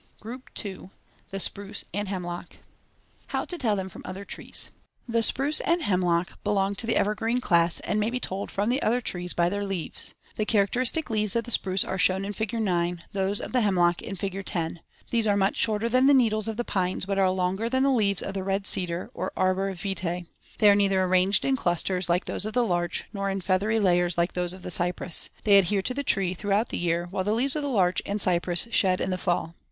GROUP II. THE SPRUCE AND HEMLOCK How to tell them from other trees: The spruce and hemlock belong to the evergreen class and may be told from the other trees by their leaves. The characteristic leaves of the spruce are shown in Fig. 9; those of the hemlock in Fig. 10. These are much shorter than the needles of the pines but are longer than the leaves of the red cedar or arbor vitae. They are neither arranged in clusters like those of the larch, nor in feathery layers like those of the cypress. They adhere to the tree throughout the year, while the leaves of the larch and cypress shed in the fall.